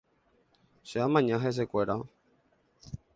Che amaña hesekuéra.